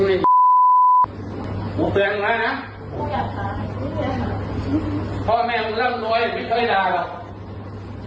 ผมเสียงมึงนะนะพ่อแม่มึงร่ำร้อยไม่เคยได้ด่าหรอก